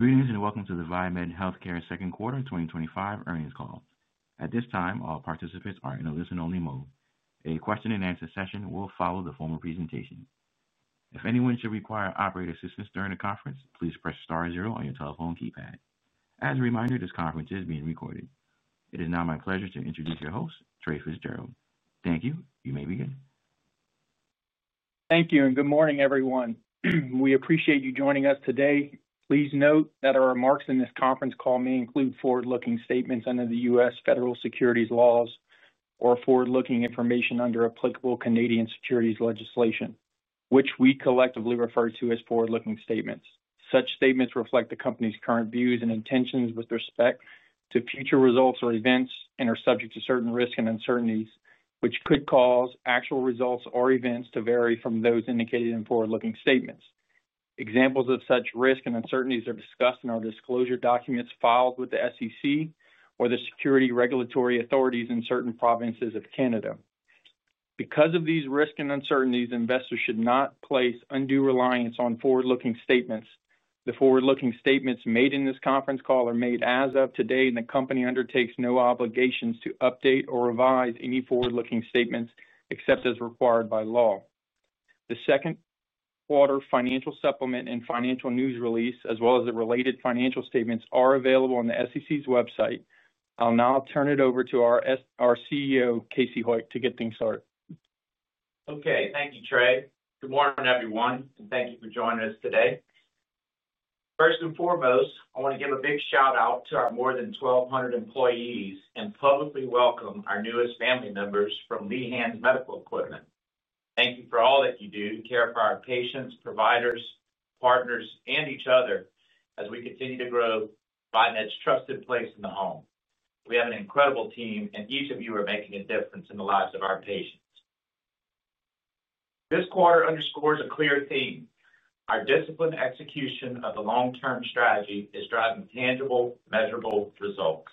Good evening and welcome to the VieMed Healthcare Second Quarter 2025 Earnings Call. At this time, all participants are in a listen-only mode. A question-and-answer session will follow the formal presentation. If anyone should require operator assistance during the conference, please press Star, zero on your telephone keypad. As a reminder, this conference is being recorded. It is now my pleasure to introduce your host, Trae Fitzgerald. Thank you. You may begin. Thank you and good morning, everyone. We appreciate you joining us today. Please note that our remarks in this conference call may include forward-looking statements under the U.S. Federal Securities Laws or forward-looking information under applicable Canadian securities legislation, which we collectively refer to as forward-looking statements. Such statements reflect the company's current views and intentions with respect to future results or events and are subject to certain risks and uncertainties, which could cause actual results or events to vary from those indicated in forward-looking statements. Examples of such risks and uncertainties are discussed in our disclosure documents filed with the SEC or the Securities Regulatory Authorities in certain provinces of Canada. Because of these risks and uncertainties, investors should not place undue reliance on forward-looking statements. The forward-looking statements made in this conference call are made as of today, and the company undertakes no obligations to update or revise any forward-looking statements except as required by law. The second quarter financial supplement and financial news release, as well as the related financial statements, are available on the SEC's website. I'll now turn it over to our CEO, Casey Hoyt, to get things started. Okay, thank you, Trae. Good morning, everyone, and thank you for joining us today. First and foremost, I want to give a big shout out to our more than 1,200 employees and publicly welcome our newest family members from Lehan Medical Equipment. Thank you for all that you do to care for our patients, providers, partners, and each other as we continue to grow VieMed's trusted place in the home. We have an incredible team, and each of you are making a difference in the lives of our patients. This quarter underscores a clear theme. Our disciplined execution of the long-term strategy is driving tangible, measurable results.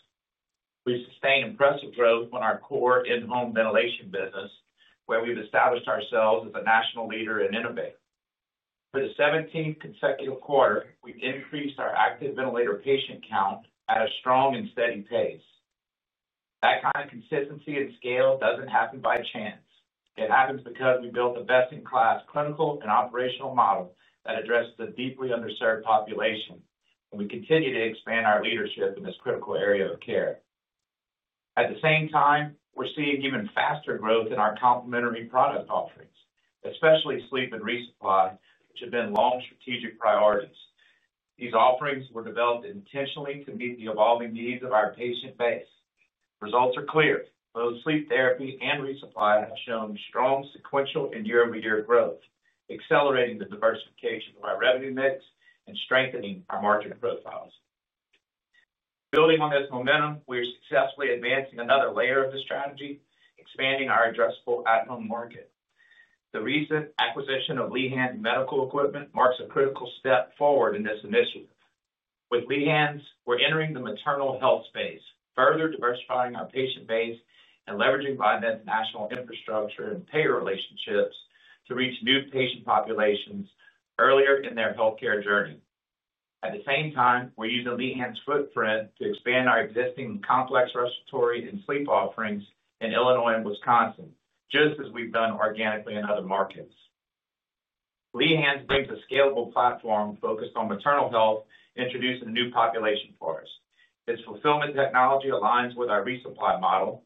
We've sustained impressive growth on our core in-home ventilation business, where we've established ourselves as a national leader and innovator. For the 17th consecutive quarter, we increased our active ventilator patient count at a strong and steady pace. That kind of consistency and scale doesn't happen by chance. It happens because we built a best-in-class clinical and operational model that addresses a deeply underserved population. We continue to expand our leadership in this critical area of care. At the same time, we're seeing even faster growth in our complementary product offerings, especially sleep and resupply, which have been long strategic priorities. These offerings were developed intentionally to meet the evolving needs of our patient base. Results are clear. Both sleep therapy and resupply have shown strong sequential and year-on-year growth, accelerating the diversification of our revenue mix and strengthening our market profiles. Building on this momentum, we're successfully advancing another layer of the strategy, expanding our addressable at-home market. The recent acquisition of Lehan Medical Equipment marks a critical step forward in this initiative. With Lehan, we're entering the maternal health space, further diversifying our patient base and leveraging VieMed's national infrastructure and payer relationships to reach new patient populations earlier in their healthcare journey. At the same time, we're using Lehan's footprint to expand our existing complex respiratory and sleep offerings in Illinois and Wisconsin, just as we've done organically in other markets. Lehan brings a scalable platform focused on maternal health, introducing a new population for us. Its fulfillment technology aligns with our resupply model,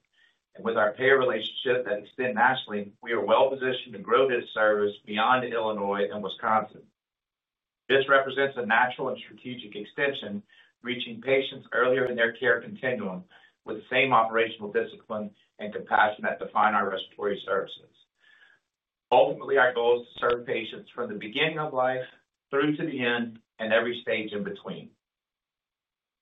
and with our payer relationships that extend nationally, we are well-positioned to grow this service beyond Illinois and Wisconsin. This represents a natural and strategic extension, reaching patients earlier in their care continuum with the same operational discipline and compassion that define our respiratory services. Ultimately, our goal is to serve patients from the beginning of life through to the end and every stage in between.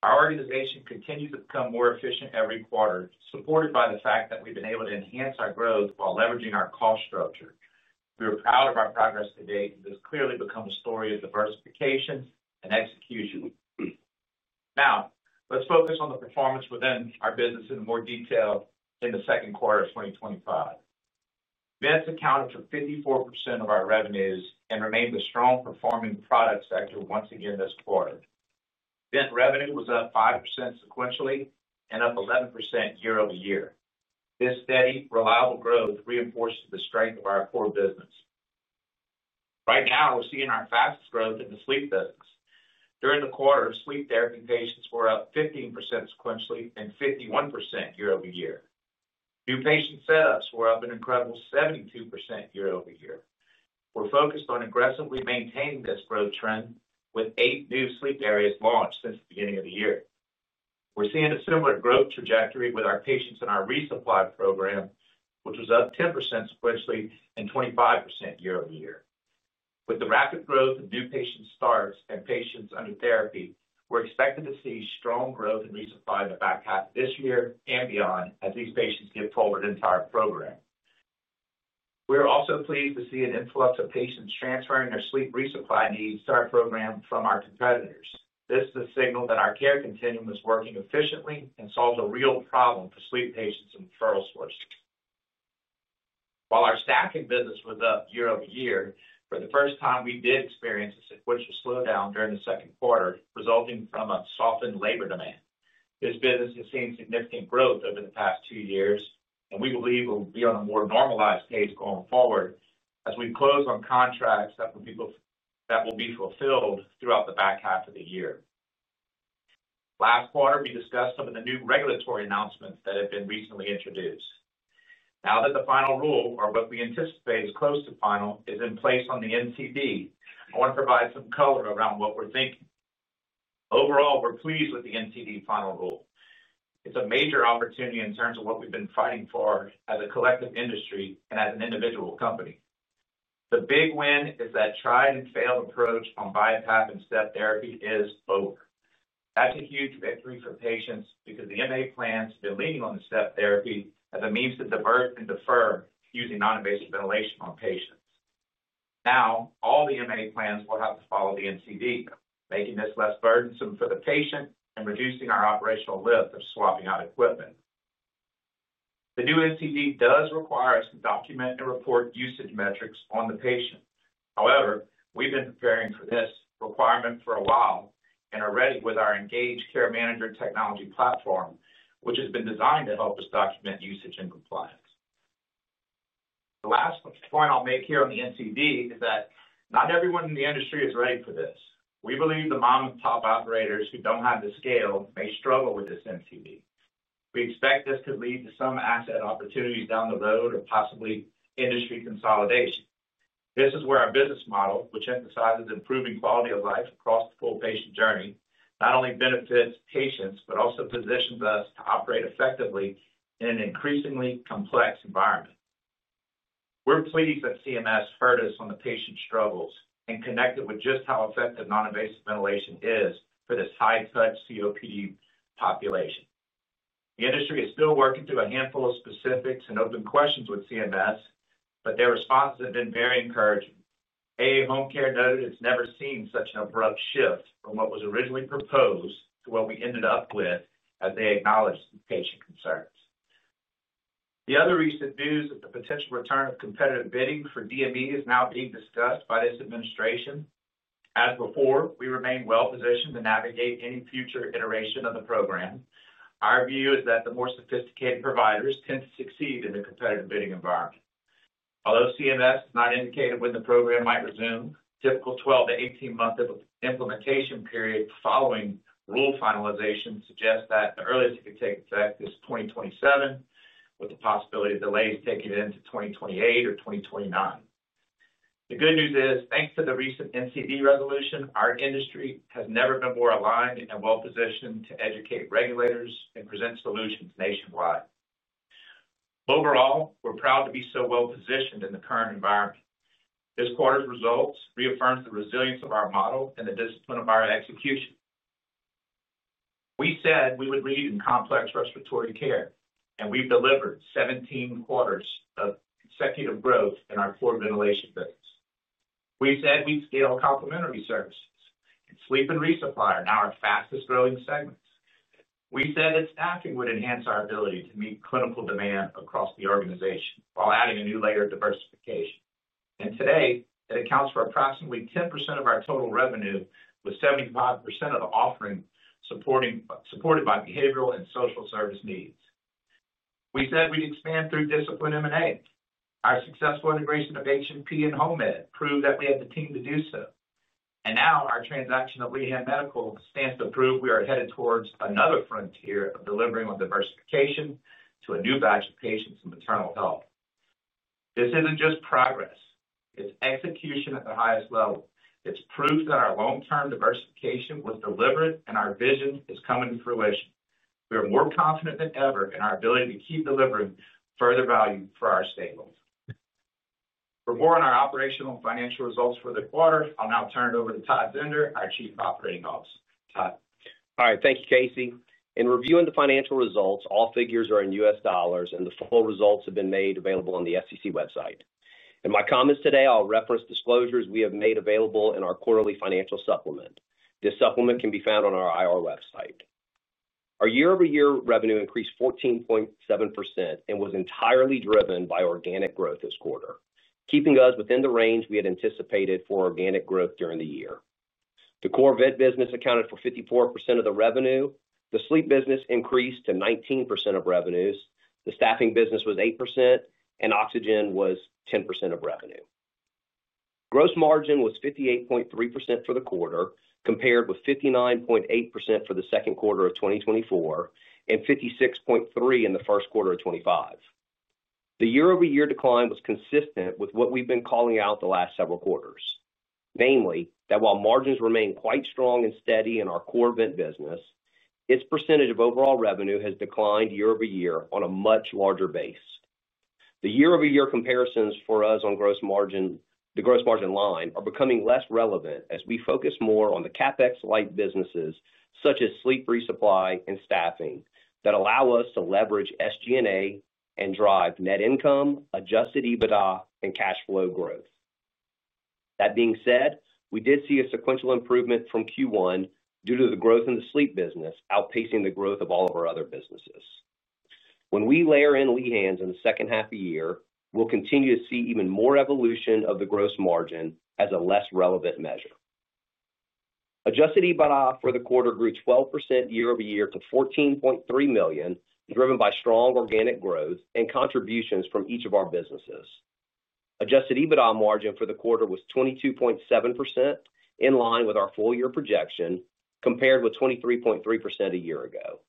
Our organization continues to become more efficient every quarter, supported by the fact that we've been able to enhance our growth while leveraging our cost structure. We are proud of our progress to date, and this clearly becomes a story of diversification and execution. Now, let's focus on the performance within our business in more detail in the second quarter of 2025. Vents accounted for 54% of our revenues and remained a strong performing product sector once again this quarter. Vent revenue was up 5% sequentially and up 11% year-over-year. This steady, reliable growth reinforces the strength of our core business. Right now, we're seeing our fastest growth in the sleep settings. During the quarter, sleep therapy patients were up 15% sequentially and 51% year-over-year. New patient setups were up an incredible 72% year-over-year We're focused on aggressively maintaining this growth trend with eight new sleep areas launched since the beginning of the year. We're seeing a similar growth trajectory with our patients in our resupply program, which was up 10% sequentially and 25% year-over-year With the rapid growth of new patient starts and patients under therapy, we're expected to see strong growth in resupply in the back half of this year and beyond as these patients get told an entire program. We are also pleased to see an influx of patients transferring our sleep resupply needs to our program from our competitors. This is a signal that our care continuum is working efficiently and solves a real problem for sleep patients in fertile sources. While our staffing business was up year over year, for the first time we did experience a sequential slowdown during the second quarter, resulting from a softened labor demand. This business has seen significant growth over the past two years, and we believe we'll be on a more normalized page going forward as we close on contracts that will be fulfilled throughout the back half of the year. Last quarter, we discussed some of the new regulatory announcements that have been recently introduced. Now that the final rule, or what we anticipate is close to final, is in place on the NCD, I want to provide some color around what we're thinking. Overall, we're pleased with the NCD final rule. It's a major opportunity in terms of what we've been fighting for as a collective industry and as an individual company. The big win is that tried and failed approach on BiPAP and STAT therapy is over. That's a huge victory for patients because the MA plans have been leaning on the STAT therapy as a means to divert and defer using non-invasive ventilation on patients. Now, all the MA plans will have to follow the NCD, making this less burdensome for the patient and reducing our operational lift of swapping out equipment. The new NCD does require us to document and report usage metrics on the patient. However, we've been preparing for this requirement for a while and are ready with our Engage Care Manager technology platform, which has been designed to help us document usage and compliance. The last point I'll make here on the NCD is that not everyone in the industry is ready for this. We believe the mom-and-pop operators who don't have the scale may struggle with this NCD. We expect this could lead to some asset opportunities down the road or possibly industry consolidation. This is where our business model, which emphasizes improving quality of life across the full patient journey, not only benefits patients but also positions us to operate effectively in an increasingly complex environment. We're pleased that CMS heard us on the patient struggles and connected with just how effective non-invasive ventilation is for this high-fed COPD population. The industry is still working through a handful of specifics and open questions with CMS, but their responses have been very encouraging. A home care nugget has never seen such an abrupt shift from what was originally proposed to what we ended up with as they acknowledged patient concerns. The other recent news is the potential return of competitive bidding for DME is now being discussed by this administration. As before, we remain well-positioned to navigate any future iteration of the program. Our view is that the more sophisticated providers tend to succeed in the competitive bidding environment. Although CMS has not indicated when the program might resume, the typical 12-18-month implementation period following rule finalization suggests that the earliest it could take effect is 2027, with the possibility of delays taking it into 2028 or 2029. The good news is, thanks to the recent NCD revolution, our industry has never been more aligned and well-positioned to educate regulators and present solutions nationwide. Overall, we're proud to be so well-positioned in the current environment. This quarter's results reaffirm the resilience of our model and the discipline of our execution. We said we would lead in complex respiratory care, and we've delivered 17 quarters of executive growth in our core ventilation phase. We said we'd scale complementary services. Sleep therapy and resupply programs are now our fastest growing segments. We said that staffing would enhance our ability to meet clinical demand across the organization while adding a new layer of diversification. Today, it accounts for approximately 10% of our total revenue, with 75% of the offering supported by behavioral and social service needs. We said we'd expand through disciplined M&A. Our successful integration of H&P and Home Med proved that we had the team to do so. Now our transaction of Lehan Medical stands to prove we are headed towards another frontier of delivering on diversification to a new batch of patients in the maternal health sector. This isn't just progress. It's execution at the highest level. It's proof that our long-term diversification was deliberate and our vision is coming to fruition. We are more confident than ever in our ability to keep delivering further value for our stakeholders. For more on our operational and financial results for the quarter, I'll now turn it over to Todd Zehnder, our Chief Operating Officer. All right, thank you, Casey. In reviewing the financial results, all figures are in US dollars, and the full results have been made available on the SEC website. In my comments today, I'll reference disclosures we have made available in our quarterly financial supplement. This supplement can be found on our IR website. Our year-over-year revenue increased 14.7% and was entirely driven by organic growth this quarter, keeping us within the range we had anticipated for organic growth during the year. The core vent business accounted for 54% of the revenue. The sleep business increased to 19% of revenues. The staffing business was 8%, and oxygen was 10% of revenue. Gross margin was 58.3% for the quarter, compared with 59.8% for the second quarter of 2024 and 56.3% in the first quarter of 2025. The year-over-year decline was consistent with what we've been calling out the last several quarters, namely that while margins remain quite strong and steady in our core vent business, its percentage of overall revenue has declined year-over-year on a much larger base. The year-over-year comparisons for us on gross margin, the gross margin line are becoming less relevant as we focus more on the CapEx light businesses such as sleep resupply and staffing that allow us to leverage SG&A and drive net income, adjusted EBITDA, and cash flow growth. That being said, we did see a sequential improvement from Q1 due to the growth in the sleep business outpacing the growth of all of our other businesses. When we layer in Lehan in the second half of the year, we'll continue to see even more evolution of the gross margin as a less relevant measure. Adjusted EBITDA for the quarter grew 12% year-over-year to $14.3 million, driven by strong organic growth and contributions from each of our businesses. Adjusted EBITDA margin for the quarter was 22.7%, in line with our full-year projection, compared with 23.3% a year ago.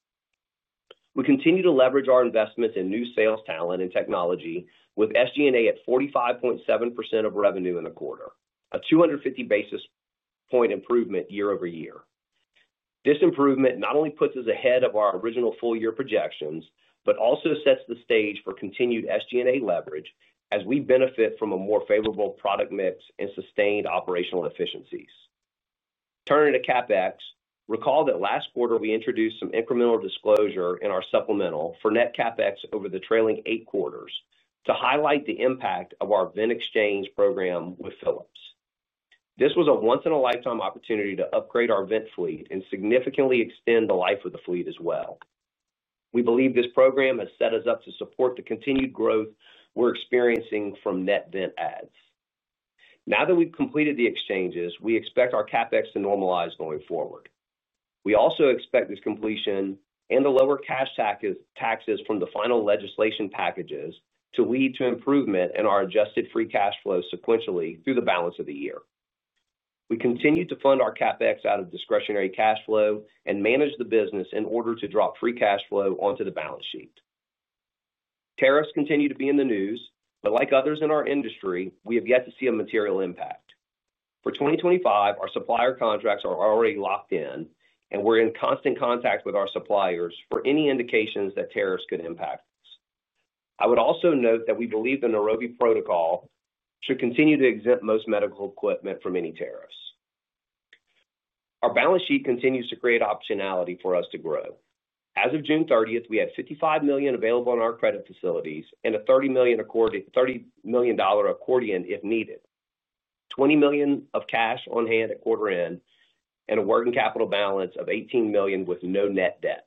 We continue to leverage our investments in new sales talent and technology, with SG&A at 45.7% of revenue in the quarter, a 250 basis point improvement year-over-year This improvement not only puts us ahead of our original full-year projections but also sets the stage for continued SG&A leverage as we benefit from a more favorable product mix and sustained operational efficiencies. Turning to CapEx, recall that last quarter we introduced some incremental disclosure in our supplemental for net CapEx over the trailing eight quarters to highlight the impact of our vent exchange program with Philips. This was a once-in-a-lifetime opportunity to upgrade our vent fleet and significantly extend the life of the fleet as well. We believe this program has set us up to support the continued growth we're experiencing from net vent ads. Now that we've completed the exchanges, we expect our CapEx to normalize going forward. We also expect this completion and the lower cash taxes from the final legislation packages to lead to improvement in our adjusted free cash flow sequentially through the balance of the year. We continue to fund our CapEx out of discretionary cash flow and manage the business in order to drop free cash flow onto the balance sheet. Tariffs continue to be in the news, but like others in our industry, we have yet to see a material impact. For 2025, our supplier contracts are already locked in, and we're in constant contact with our suppliers for any indications that tariffs could impact us. I would also note that we believe the Nairobi Protocol should continue to exempt most medical equipment from any tariffs. Our balance sheet continues to create optionality for us to grow. As of June 30th, we had $55 million available in our credit facilities and a $30 million accordion if needed, $20 million of cash on hand at quarter end, and a working capital balance of $18 million with no net debt.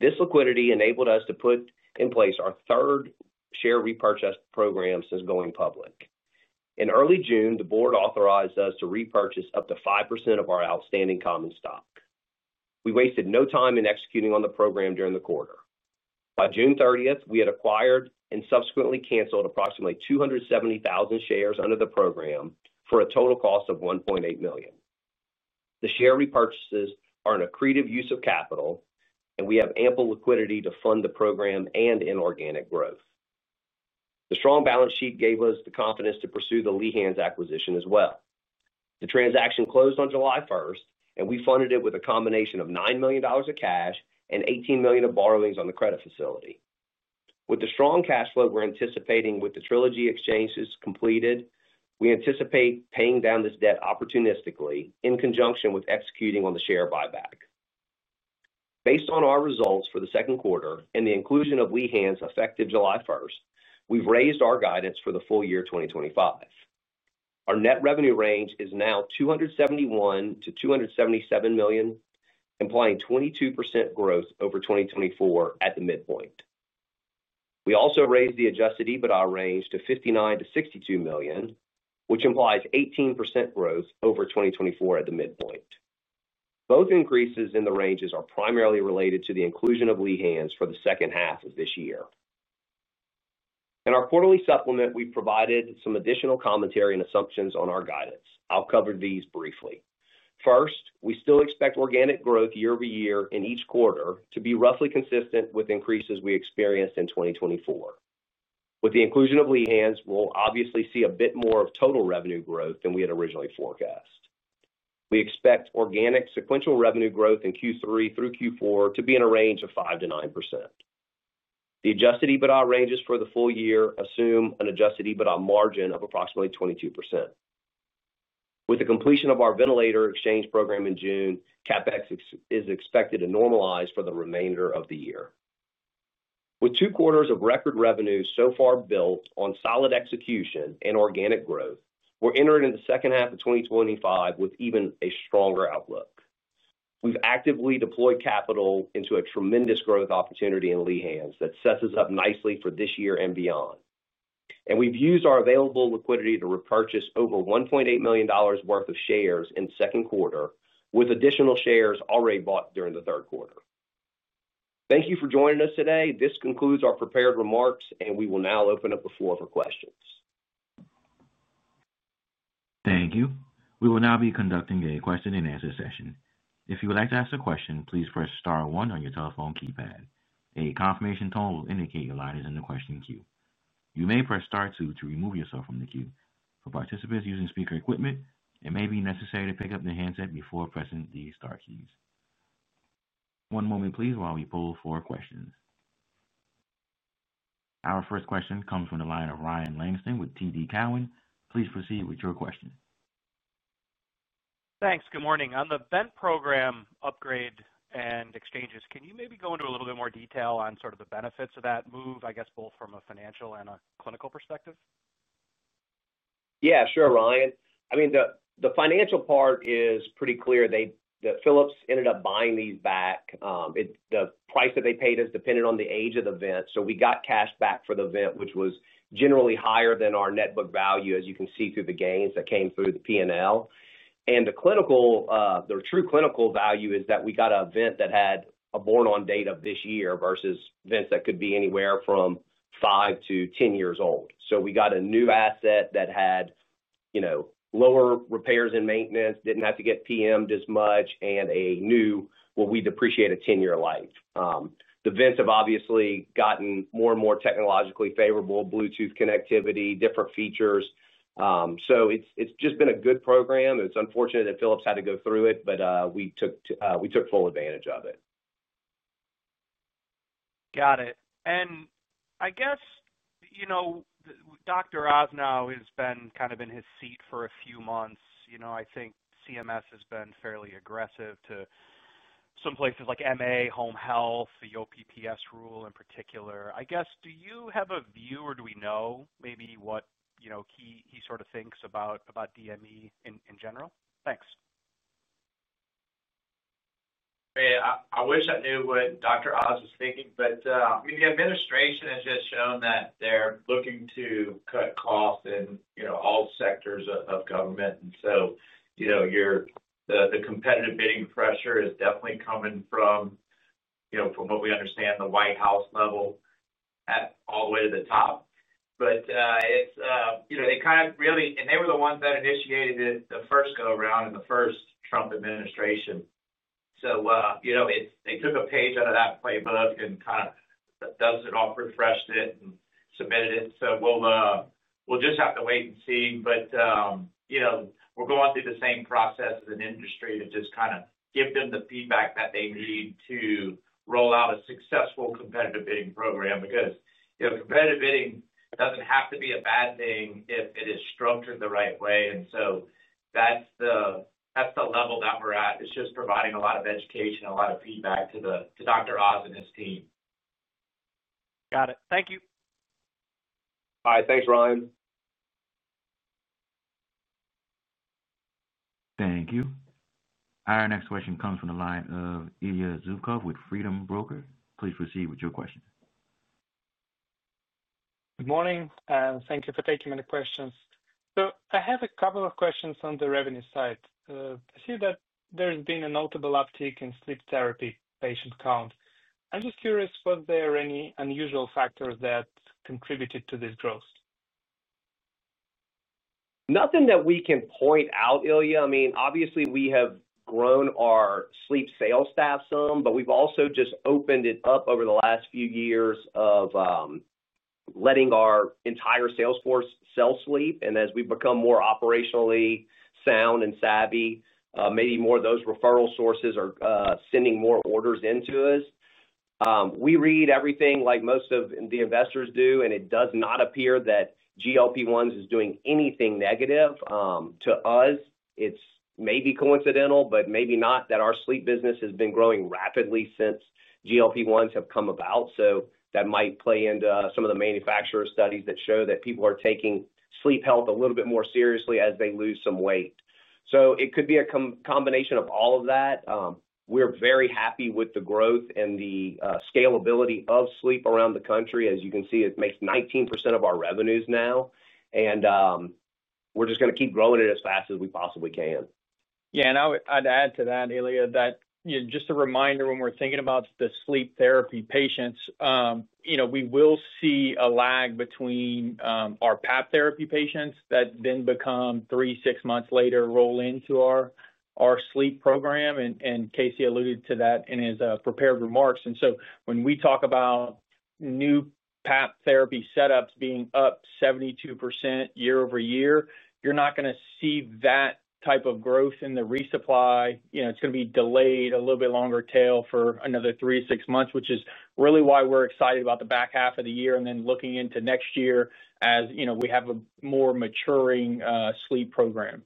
This liquidity enabled us to put in place our third share repurchase program since going public. In early June, the board authorized us to repurchase up to 5% of our outstanding common stock. We wasted no time in executing on the program during the quarter. By June 30th, we had acquired and subsequently canceled approximately 270,000 shares under the program for a total cost of $1.8 million. The share repurchases are an accretive use of capital, and we have ample liquidity to fund the program and inorganic growth. The strong balance sheet gave us the confidence to pursue the Lehan acquisition as well. The transaction closed on July 1, and we funded it with a combination of $9 million of cash and $18 million of borrowings on the credit facility. With the strong cash flow we're anticipating with the trilogy exchanges completed, we anticipate paying down this debt opportunistically in conjunction with executing on the share buyback. Based on our results for the second quarter and the inclusion of Lehan effective July 1st, we've raised our guidance for the full year 2025. Our net revenue range is now $271 million-$277 million, implying 22% growth over 2024 at the midpoint. We also raised the adjusted EBITDA range to $59 million-$62 million, which implies 18% growth over 2024 at the midpoint. Both increases in the ranges are primarily related to the inclusion of Lehan for the second half of this year. In our quarterly supplement, we've provided some additional commentary and assumptions on our guidance. I'll cover these briefly. First, we still expect organic growth year-over-year in each quarter to be roughly consistent with increases we experienced in 2024. With the inclusion of Lehan, we'll obviously see a bit more of total revenue growth than we had originally forecast. We expect organic sequential revenue growth in Q3-Q4 to be in a range of 5%-9%. The adjusted EBITDA ranges for the full year assume an adjusted EBITDA margin of approximately 22%. With the completion of our ventilator exchange program in June, CapEx is expected to normalize for the remainder of the year. With two quarters of record revenue so far built on solid execution and organic growth, we're entering the second half of 2025 with even a stronger outlook. We've actively deployed capital into a tremendous growth opportunity in Lehan that sets us up nicely for this year and beyond. We've used our available liquidity to repurchase over $1.8 million worth of shares in the second quarter, with additional shares already bought during the third quarter. Thank you for joining us today. This concludes our prepared remarks, and we will now open up the floor for questions. Thank you. We will now be conducting a question-and-answer session. If you would like to ask a question, please press Star, one on your telephone keypad. A confirmation tone will indicate your line is in the question queue. You may press Star, two to remove yourself from the queue. For participants using speaker equipment, it may be necessary to pick up the headset before pressing the star keys. One moment, please, while we pull for questions. Our first question comes from the line of Ryan Langston with TD Cowen. Please proceed with your question. Thanks. Good morning. On the vent program upgrade and exchanges, can you maybe go into a little bit more detail on sort of the benefits of that move, I guess both from a financial and a clinical perspective? Yeah, sure, Ryan. I mean, the financial part is pretty clear. Philips ended up buying these back. The price that they paid us depended on the age of the vent. We got cash back for the vent, which was generally higher than our net book value, as you can see through the gains that came through the P&L. The true clinical value is that we got a vent that had a born-on date of this year versus vents that could be anywhere from 5-10 years old. We got a new asset that had lower repairs and maintenance, did not have to get PM'd as much, and a new, what we'd appreciate a ten-year life. The vents have obviously gotten more and more technologically favorable, Bluetooth connectivity, different features. It has just been a good program. It is unfortunate that Philips had to go through it, but we took full advantage of it. Got it. I guess, you know, Dr. Oz has been kind of in his seat for a few months. I think CMS has been fairly aggressive to some places like MA, home health, the OPPS rule in particular. I guess, do you have a view or do we know maybe what he sort of thinks about DME in general? Thanks. I wish I knew what Dr. Oz was thinking, but the administration has just shown that they're looking to cut costs in all sectors of government. Your competitive bidding pressure is definitely coming from, from what we understand, the White House level all the way to the top. They were the ones that initiated the first go-round in the first Trump administration. They took a page under that playbook and kind of dusted it off, refreshed it, and submitted it. We will just have to wait and see. We're going through the same process as an industry to just give them the feedback that they need to roll out a successful competitive bidding program because competitive bidding doesn't have to be a bad thing if it is structured the right way. That's the level that we're at. It's just providing a lot of education and a lot of feedback to Dr. Oz and his team. Got it. Thank you. All right. Thanks, Ryan. Thank you. Our next question comes from the line of Ilya Zubkov with Freedom Broker. Please proceed with your question. Good morning. Thank you for taking my questions. I have a couple of questions on the revenue side. I see that there's been a notable uptick in sleep therapy patient count. I'm just curious whether there are any unusual factors that contributed to this growth. Nothing that we can point out, Ilya. I mean, obviously, we have grown our sleep sales staff some, but we've also just opened it up over the last few years of letting our entire sales force sell sleep. As we've become more operationally sound and savvy, maybe more of those referral sources are sending more orders into us. We read everything like most of the investors do, and it does not appear that GLP-1s are doing anything negative to us. It's maybe coincidental, but maybe not that our sleep business has been growing rapidly since GLP-1s have come about. That might play into some of the manufacturer studies that show that people are taking sleep health a little bit more seriously as they lose some weight. It could be a combination of all of that. We're very happy with the growth and the scalability of sleep around the country. As you can see, it makes 19% of our revenues now. We're just going to keep growing it as fast as we possibly can. Yeah, and I'd add to that, Ilya, that just a reminder when we're thinking about the sleep therapy patients, you know, we will see a lag between our PAP therapy patients that then become three, six months later roll into our sleep program. Casey alluded to that in his prepared remarks. When we talk about new PAP therapy setups being up 72% year-over-year, you're not going to see that type of growth in the resupply. It's going to be delayed a little bit longer tail for another three to six months, which is really why we're excited about the back half of the year and then looking into next year as, you know, we have a more maturing sleep program.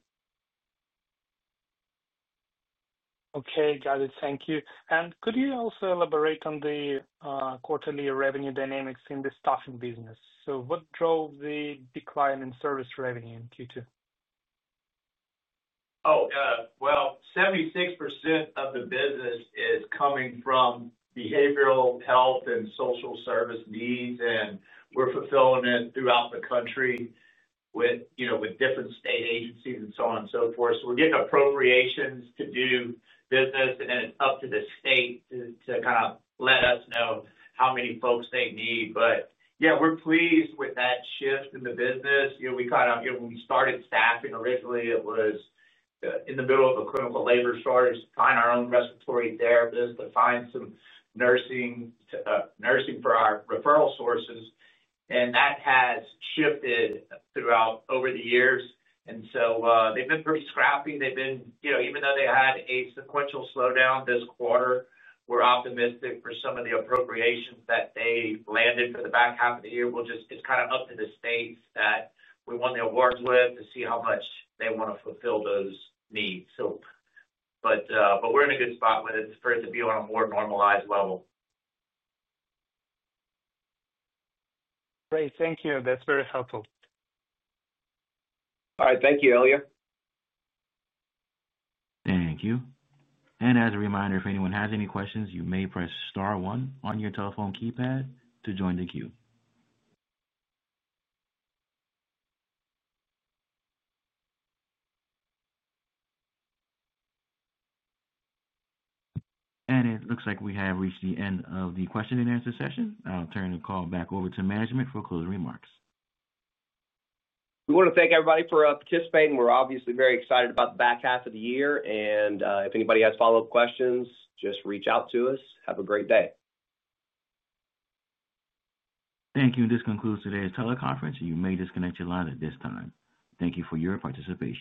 Okay, got it. Thank you. Could you also elaborate on the quarterly revenue dynamics in the staffing business? What drove the decline in service revenue in Q2? Oh, yeah. 76% of the business is coming from behavioral health and social service needs, and we're fulfilling it throughout the country with different state agencies and so on and so forth. We're getting appropriations to do business, and then it's up to the state to let us know how many folks they need. Yeah, we're pleased with that shift in the business. When we started staffing originally, it was in the middle of a critical labor shortage to find our own respiratory therapists, but find some nursing for our referral sources. That has shifted throughout over the years. They've been pretty scrappy. Even though they had a sequential slowdown this quarter, we're optimistic for some of the appropriations that they landed for the back half of the year. It's up to the states that we won the awards with to see how much they want to fulfill those needs. We're in a good spot when it's supposed to be on a more normalized level. Great. Thank you. That's very helpful. All right. Thank you, Ilya. Thank you. As a reminder, if anyone has any questions, you may press Star, one on your telephone keypad to join the queue. It looks like we have reached the end of the question-and-answer session. I'll turn the call back over to management for closing remarks. We want to thank everybody for participating. We're obviously very excited about the back half of the year. If anybody has follow-up questions, just reach out to us. Have a great day. Thank you. This concludes today's teleconference. You may disconnect your line at this time. Thank you for your participation.